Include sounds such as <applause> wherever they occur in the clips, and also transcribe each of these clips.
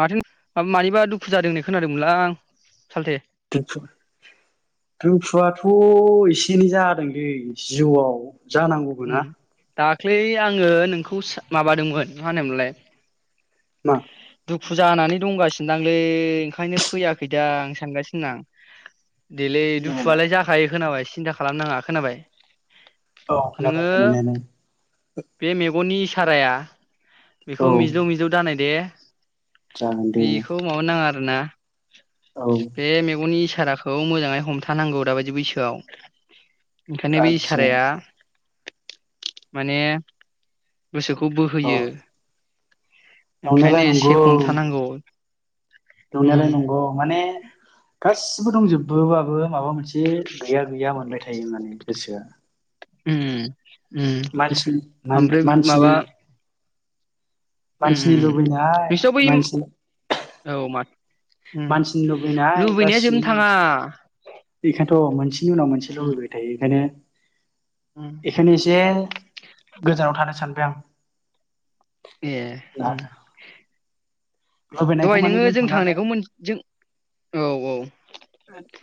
माथो मानिबा दुखु जादों होनना खोनादोंमोनलां सालथि <unintelligible> दुखुआथ' एसे एनै जादोंलै जिउआव जानांगौ उ दाख्लि आङो नोंखौसो माबादोंमोन मा होनो मोनलाय मा दुखु जानानै दंगासिनो दांलै ओंखायनो फैयाखैदां आं सानगासिनोदं। देलै ए दुखुआलाय जाखायो खोनाबाय सिन्था खालामनाङा खोनाबाय। औ खोनादों नोङो खोनानायालाय बे मेगननि साराया औ बेखौ मिज्लौ मिज्लौ दानाय दे जागोन दे बेखौ माबा नाङा आरोना। औ। बे मेगननि इसाराखौ मोजाङै हमथानांगौ दाबायदि बैसोआव। ओंखायनो बे आदसा इसाराया माने गोसोखौ औ बोहोयो। ओंखायनो नंनायालाय एसे नंगौ हमथानांगौ। उम नंनायालाय नंगौ माने गासिबो दंजोबोबाबो माबा मोनसे गैया गैया मोनबाय थायो माने गोसोआ। उम उम मानसिनि ओमफ्राय मान-मानसिनि माबा उम उम मानसिनि लुबैनाय नोंसिनाव बै मानसिनि औ माथ उम मानसिनि लुबैनाय लुबैनाया गासिबो जोबनो थाङा। मोनसे बेखायनोथ' मोनसेनि उनाव मोनसे उम लुबैबाय थायो एखायनो उम एखायनो एसे गोजानाव थानो सानबाय आं। ए उम आं लुबैनायखौ दहाय माने नोङो जों दोनथ'नानै थांनायखौ मोन जों औ औ।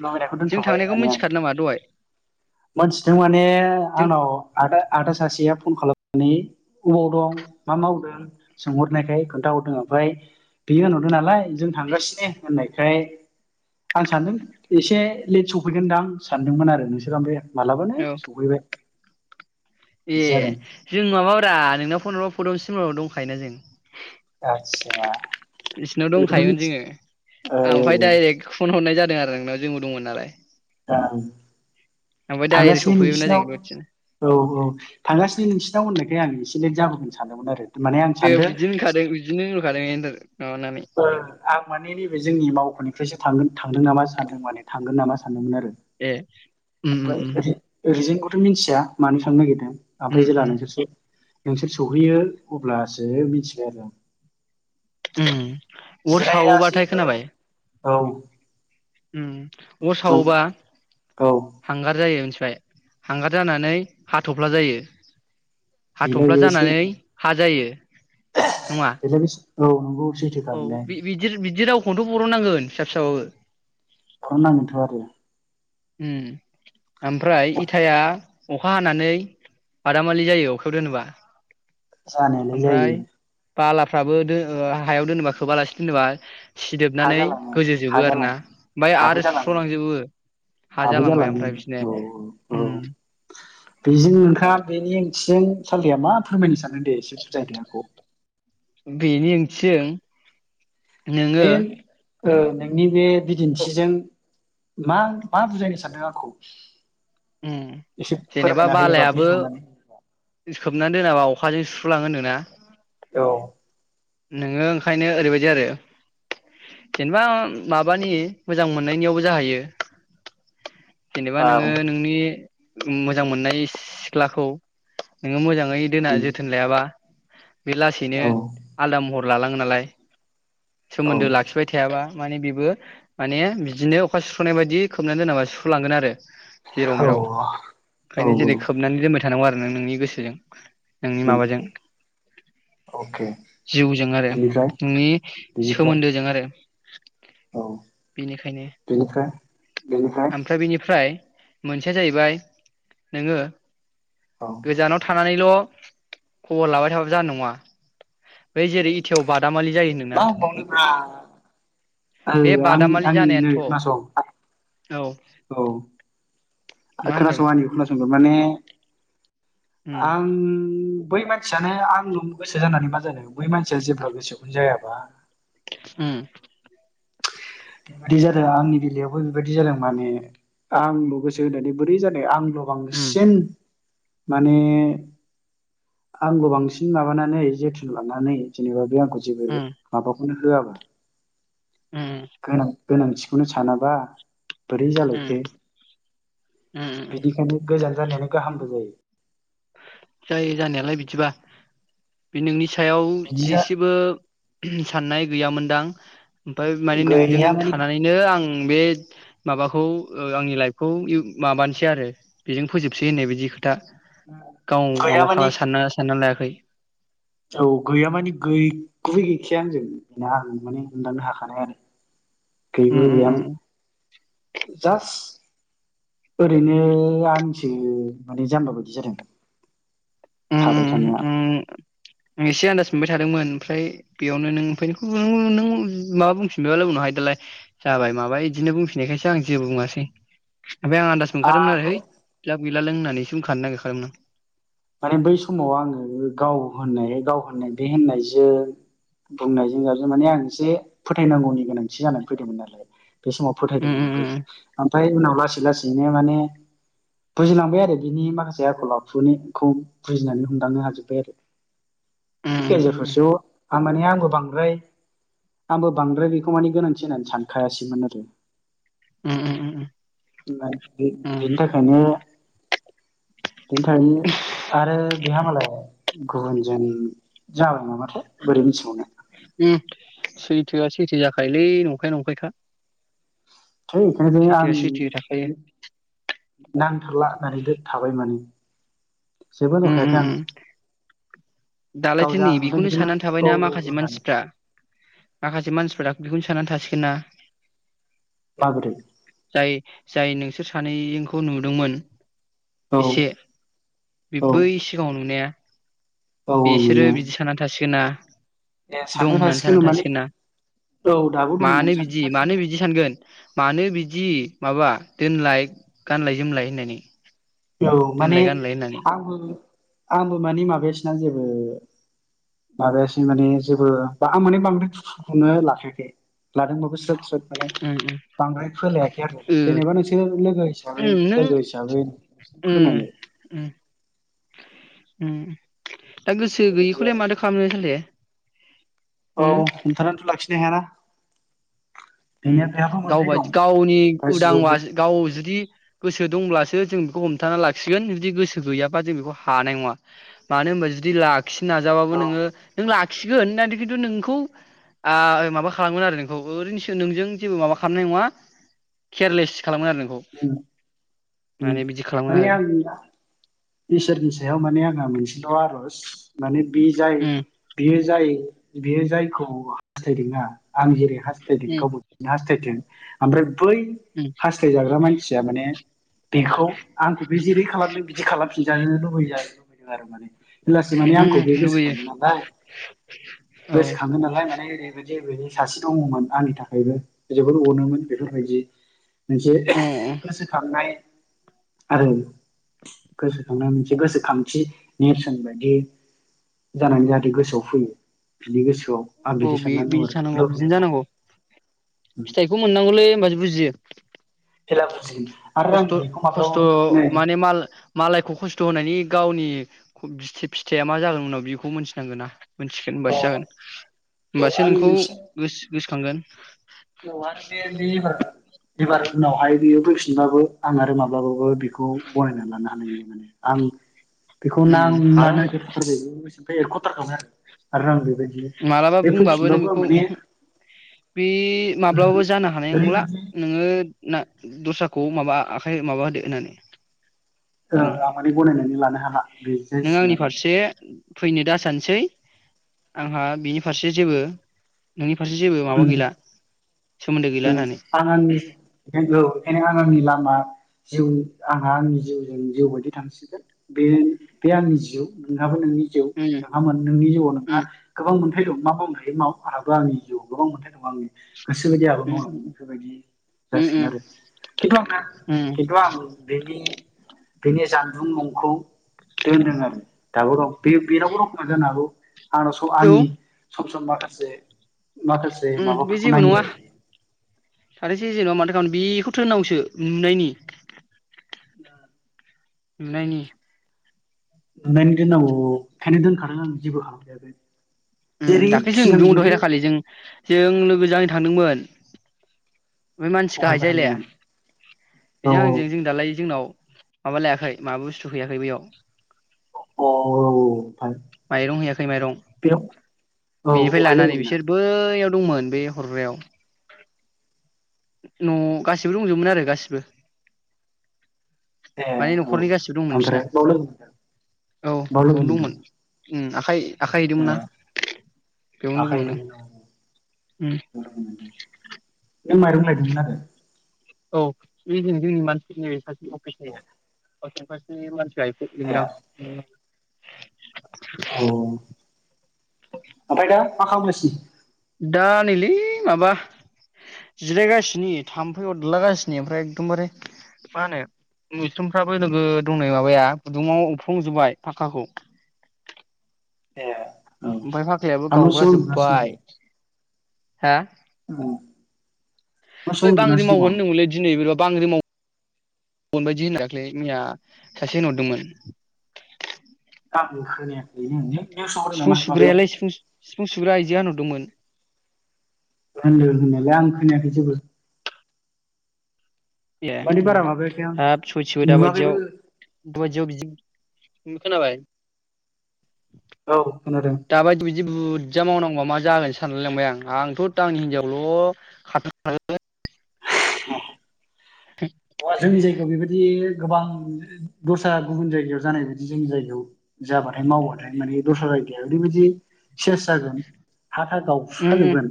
लुबैनायखौ जों दोनथ'बाय थांनायखौ माने आं मिथिखादों नामा दहाय मोनथिदों माने जों आंनाव आदा आदा सासेया फन खालामनानै अबाव दं मा मावदों सोंहरनायखाय खोन्थाहरदों ओमफाय बियोहोनहरदों नालाय जों थांगासिनो होननायखाय आं सानदों एसे लेट सौफैगोनदांं सानदोंमोन आरो नोंसोरा ओमफाय मालाबानो औ सौफैबाय। ए जों माबाब्रा नोंनाव फन हरबा फद'सि मोन्नाव दंखायोना जों। आदसा इसिनाव बेखौथ' दंखायोमोन मिथि जोङो ओ आमफाय दाइरेक्ट फन हरनाय जादों आरो नोंनाव जोंबो दंमोन नालाय। ओं ओमफाय दाइरेक्ट थांगासिनो सौफैबायबोना जों नोंसिनाव गुवाटियाव। औ औ थांगासिनो नोंसिनाव होननायखाय आं एसे लेट जाबोगोन सानदोंमोन आरो माने आं ए सानदों बिदिनो होनखादों बिदिनो होनहरखादों एनदोर माबानानै। ओ आं माने जोंनि मावख'निफ्रायसो थांगोन थांदों नामा सानदों माने थांगोन नामा सानदोंमोन आरो। ए उम उम उम ओमफाय रिजोनखौथ' मिनथिया मानो थांनो नागिरदों? उम ओमफ्राय जेला उम नोंसोर सो नोंसोर सौहैयो अब्लासो मिथिबाय आरोना। उम अर सावोबाथाय जिरायासैबो खोनाबाय। औ। उम अर बुं सावोबा औ हांगार जायो मिथिबाय हांगार जानानै हाथ'फ्ला जायो। बेलाय हाथ'फ्ला बे जानानै सैथो हा जायो नङा? जाबिज औ नंगौ अबसे। औ बि-बिदि बिदि रावखौनोथ' बर'ननांगोन फिसा फिसाबाबो। बर'ननांगोनथ' आरो। उम ओमफ्राय इथाया अखा हानानै बादामालि जायो अखायाव दोनोबा जानायालाय जायो ओमफ्राय बालाफ्राबो दो हायाव दोनोबा खोबालासि दोनोबा हा सिदोबनानै जालाङो हा गोजोजोबो आरोना जालाङो ओमफाय हाबो आरो जालाङो सुस्र'लांजोबो। हा हाबो जालांबाय जालांङो ओमफ्राय बिसोरनो औ औ उम औ बेजों नोंथाङा बेनि ओंथिजों सालथेया मा फोरमायनो सानदों दे एसे बुजायदो आंखौ। बेनि ओंथिजों नोङो बे ओ नोंनि बे बिदिन्थिजों मा मा बुजायनो सानदों आंखौ? उम एसे जेनेबा फोरमायना होयोबा बालायाबो बेखेवनानै खोबनानै दोनाबा अखाजों सुस्र'लाङो होनदोना? औ। नोङो ओंखायनो ओरैबायदि आरो जेनबा माबानि मोजां मोननायनियावबो जाहैयो। जेनेबा औ नोङो नोंनि मोजां मोननाय सिख्लाखौ नोङो मोजाङै दोना उम जोथोन लायाबा बे लासैनो औ आलदा महर लालाङो नालाय। औ सोमोन्दो लाखिबाय थायाबा माने बेबो माने बिदिनो अखा सुस्र'नाय बायदि खोबनानै दोनाबा सुस्र'लांगोन आरो। जेराव औ मेराव। औ ओंखायनो जेरै खोबनानै दोनबाय थानांगौ आरो नों नोंनि गोसोजों। नोंनि उम माबाजों। अके जिउजों आरो बिनिफ्राय नोंनि बिनिफ्राय सोमोन्दोजों आरो। औ। बिनिखायनो बिनिफ्राय बेनिफ्राय आम फ्राय बेनिफ्राय मोनसेया जाहैबाय नोङो औ गोजानाव थानानैल' खबर लाबाय थाबा जानाय नङा। बै जेरै इथायाव बादामालि जायो नो मा होनबावनो ब्रा ओ बे आंनि बादामालि आंनि नै जानायानोथ' खोनासं औ औ मा होनदों खोनासंं आंनिखौ खोनासंग्रो माने उम आं बै मानसियानो आंल' गोसो जानानै मा जानो? बै मानसिया जेब्ला गोसोखौनो जायाबा। उम बिदि जादो आंनि बेलायावबो बेबायदि जादों माने, आंल' गोसो होनानै बोरै जानो? आं ल' उम बांसिन माने आंल' बांसिन माबानानै जोथोन लानानै जेनेबा बे आंखौ जेबो उम माबाखौनो होआबा उम गोनां गोनांथिखौनो सानाबा बोरै उम उम जालायखो? उम बिनिखायनो गोजान जानायानो उम गाहामबो जायो। जायो जानायालाय बिदिबा। बे नोंनि सायाव बिदि जा दिसिबो साननाय गैयामोनदां ओमफाय माने नोंजों गैया माने थानानैनो आं बे माबाखौ ओ आंनि लाइफखौ इउ माबानोसै आरो बेजों फोजोबसै होननाय बायदि खोथा। गाव गैया माबा माने खाला सानना सानना लायाखै। औ गैया माने गैगुबै गैखाया आंजों ना आं माने हमदांनो हाखानाय आरो। उम गैगुबै उम गैयामोन जास ओरैनो आंसो माने जाम्बा बायदि जादों। उम थाबाय उम उम थानाया उम एसे आन्दाज मोनबाय थादोंमोन ओमफ्राय बेयावनो नों ओमफाय <unintelligible> नों माबा बुंफिनबायबालाय उनावहाय दालाय जाबाय माबाय इदिनो बुंफिनायखायसो आं जेबो बुङासै। ओमफाय आं आनदास मोनखादोंमोन आरो आंबो हैै लाब गैला नों होननानैसो बुंखानो नागिरखादोंमोन आं। माने बै समाव आङो गाव होन्नाय गाव होननाय बे होननायजों बुंनायजों जाबजो माने आं एसे फोथायनांगौनि गोनांथि जानानै फैदोंमोन आरो बे समाव फोथायदोंमोनबो आं ओमफाय उनाव लासै लासै बिदिनो माने बुजिलांबाय आरो बिनि माखासे आखल आखुनि खौ बुजिनानै हमदांनो हाजोब्बाय आरो उम उम उम गेजेर ससेआव आ माने आंबो बांद्राय आंबो बांद्राय बेखौ माने गोनांथि होननानै सानखायासैमोन आरो ओम ओम ओम ओमफाय बे बेनि थाखायनो बेनि थाखायनो आरो बेहा मालाय गुबुनजों जाबाय नामाथाय बोरै मिथिबावनो ओम सैथोआ सैथो जाखायोलै नंखाया नंखायखा थै बेनिखायनो आं सैथोआ सैथो थाखायो नांथारला होननानै दो थाबाय माने जेबो होनहर खायाखै आं गाव दालायथो जा नै होनहरदों बेखौनो साननानै औ थाबायना माखासे होननानै मानसिफ्रा माखासे मानसिफोरा बेखौनो साननानै थासिगोन ना माबोरै जाय जाय नोंसोर सानैजोंखौ नुदोंमोन औ एसे बे औ बै सिगाङाव नुनाया औ औ बिसोरो नंनाया बिदि साननानै थासिगोना ए दं सानथाव होननानै सानना माने थासिगोन ना औ दाबो दं होननानै मानो सानथाव बिदि थासिगोन मानो बिदि सानगोन मानो बिदि माबा दोनलाय गानलाय जोमलाय होननानै औ माने दोनलाय गानलाय होननानै आंबो आंबो माने माबायासैना जेबो माबायासै माने जेबो बा आं माने बांद्राय दुखुखौनो लाखायाखै लादोंबाबो स्रोद स्रोद माने उम बांद्राय फोलायाखै आरो उम ओ जेनेबा नोंसोर लोगो हिसाबै लोगो हिसाबै नोंसोर ओम फोरमायबाय ओम ओम दा गोसो बेबायदि गैयिखौलाय आरो माथो खालामनो सालथे ओम थानानैथ' लाखिनो हायाना बेनिया ओम बेहाबो मोनथाय दं गावबायदि गावनि गासिबावबो उदांबासो गाव जुदि गोसो दंब्लासो जों बेखौ हमथाना लाखिगोन जुदि गोसो गैयाबा जों बेखौ हानाय नङा मानो होनबा जुदि लाखिनो औ नाजाबाबो नोङो नों लाखिगोन होन खिन्थु नोंखौ आ माबा खालामोन आरो नोंखौ ओरैनो नोंजों जेबो माबा खालामनाय नङा केयारलेस खालामगोन आरो नों ओम ओम खालामगोन माने आरो आंनिबा इसोरनि सायाव माने आंहा मोनसेल' आर'ज माने बे जाय उम बियो जाय बियो जायखौ हास्थायदोंना आं जेरै हास्थायदों उम गावबो हास्थायथों ओमफ्राय बै उम हास्थायजाग्रा मानसिया माने बेखौ आंखौ बे जेरै खालामदों बिदि खालामफिनजानो लुबै लुबैदों आरो माने अब्लासो माने उम आंखौ उम बे लुगैयो गोसोखाङो नालाय औ अ गोसोखाङो नालाय माने ओरैबायदि जे बिदि सासे दङमोन आंनि थाखायबो जोबोद अनोमोन बेफोरबायदि मोनसे अ गोसोखांनाय आरो गोसोखांनाय मोनसे गोसोखांथि नेरसोन बायदि जानानै जाहाथे गोसोआव फैयो बिनि गोसोआव आं औ बिदि बे साननानै दं आरो थानांगौ बिदिनो लुबैनाय दं जानांगौ फिथाइखौ मोननांगौलै होमबासो बुजियो <unintelligible> खस्थ' बेखौ खस्थ' माब्लाबाबो नै माने माल मालायखौ खस्थ' होनायनि गावनि ख' फिथाइ फिथाइया मा जागोन उनाव बेखौ मोनथिनांगोन ना मोनथिगोन औ होमबासो जागोन औ होमबासो आंनि नोंखौ मोनसे गोसो गोसोखांगोन <unintelligible> एबार उनावहाय बियो फैफिनबाबो आं आरो माब्लाबाबो बेखौ गनायनानै लानो हानाय नंला आं बेखौ उम नांला हाला <unintelligible> हाला गोसोनिफ्राय एरख'थारखाबाय आरो आरो आं बेबायदि मालाबा बे बुंबाबो नों फैफिनबाबो आं बेखौ माने ओहो बे माब्लाबाबो जानो हानाय नंला ओरैबायदि नोङो ना दस्राखौ माबा आखाइ माबा होदो होननानै ओ बुं आं माने गनायनानै लानो हाला। बे नों आंनि जासिगोन फारसे फैनो दा सानसै आंहा बिनि फारसे जेबो नोंनि फारसे जेबो माबा आरो गैला सोमोन्दो गैला होननानै। आं आंनि नंगौ एखायनो आं आंनि लामा जिउनि आंहा आंनि जिउजों जिउ बायदि थांसिगोन बे आंनि जिउ नोंहाबो नोंनि थिगौ उम नोंहा मोन नोंनि जिउआव नोंहा उम गोबां मोन्थाय दं मा मावनो हायो माव आंहाबो आंनि जिउ गोबां मोनथाय दङ आंनि गोसो बायदि आबाद उम मावलांगोन बेफोरबायदि उम जासिगोन उम आरो खिन्थु आंना किन्थु आं बेनि बेनि जानबुं नंखौ दोनदों आरो दाबो दं। बे बेनावबो दंखोमा जानो हागौ आंनाव उम औ आंनि सम सम माखासे माखासे ओम बे माबाफोरखौ जेबो नायो नङा आरो बे थाथोंसै जेनबा माथो खालामारोन बेखौथोनावगौसो नुनायनि उम नुनायनि नुनायनि दोननांगौ औ ओंखाइनोै दोनखादों आं जेबो खालामखायाखै। ओम जेरै दाख्लौ जों सिगां नुदोंमोन जेरै दहाय दाखालि जों जों लोगोजों आंजों थांदोंमोन। बे मानसि गाहाय बहायबा जायलाया थांदोंमोन औ बेजों आंजों जों दालाय जोंनाव माबा लायाखै माबा बुस्थु फैयाखै बेयाव औ औ ओमफ्राय माइरं हैयाखै माइरं बेयाव औ बिनिफ्राय बहाय लोगो लानानै मोना बिसोर बैयाव दंमोन बे हरग्रायाव। न' गासिबो दंजोबोमोन आरो गासिबो ए माने औ न'खरनि गासिबो दंमोन बिसिना ओमफ्राय बाव लोगो मोनदों औ बाव लोगो बेयावनो मोनदों दंमोन उम आखाइ-आखाइ ओ हैदोंमोन नना बेयावनो लोगो आखाइ मोनदों ओं नों माइरं लायदोंमोन आरो? औ बे जों जोंनि मानसिफोरनि सासे ए अफिसनि <unintelligible> <unintelligible> औ ओमफ्राय दा मा खालामगासि? दा नैलै माबा जिरायगासिनि थाम्फै अदलागासिनि ओमफ्राय एकदमबारे मा होनो मोस्रोमफ्राबो नोगोद दंनै माबाया गुदुङाव उफ्र्रंजोबबाय फाक्काखौ। एह ओमफ्राय फाक्कायाबो गावब्रा जोब्बाय। हा? औ न' सिङाव ओय बांग्रि उन्दुनासो मावगोन दङ होनदोंमोनलै दिनै बोरैबा बांग्रि माव गोनबायदि होनना दाख्लै मैया सासे होनहरदोंमोन। आंबो खोनायाखै <unintelligible> निउस आव होदो सिफुं नामा माबायाव सुग्रायालाय सिफुं सिफुं सुग्रा आइजो आ नुदोंमोन। होनदों होननायालाय आं खोनायाखै जेबो। ए माने बारा माबायाखै आं हाब सइथिबो दा नुवाखैबो बायदियाव <unintelligible> बिदि खोनाबाय औ खोनादों। दाबायदि बिदि बुर्जा मावनांगौआ मा जागोन सानलायलांबाय आं आंथ' आंनि हिनजावल' <unintelligible> <inaudible> अ जोंनि जायगायाव बेबायदि गोबां दस्रा गुबुन जायगायाव जानायबायायदि जोंनि जायगायाव जाबाथाय मावबाथाय माने दस्रा जायगाया ओरैबायदि सेस जागोन हा था गाव उम उम फुसाजोबगोन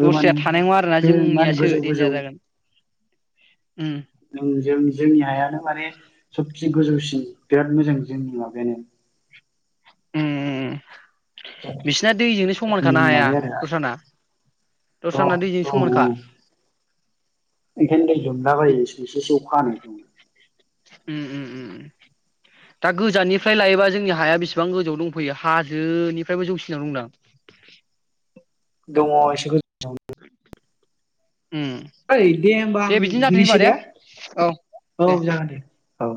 बे दस्राया माने थानाय नङा आरोना बे मा होनो जोंनियासो गोजौ गोजौ देन्जार जागोन उम। नों जों जोंनि हायानो माने सबसे गोजौसिन बिराद मोजां जोंनि माबायानो। उम उम उम बिसिना दैजोंनो समान जोंनि खानो हाया माबाया आरो दस्राना? अ दस्राना दैजों औ औ समानखा। ओंखायनो दै लोमला बायोसो एसे एसे अखा हानायफ्रावनो। उम उम उम उम। <inaudible> दा गोजाननिफ्राय लायोबा जोंनि हाया बेसेबां गोजौ दंफैयो हाजोनिफ्रायबो जौसिनाव दंदां? दङ एसे <unintelligible> उम ओइ दे होमबा आं बिदिनो जाथों होनबा दुगैनोसै दे औ औ जागोन दे। औ